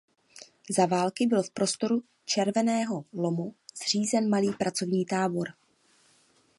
Za války byl v prostoru Červeného lomu zřízen malý pracovní tábor.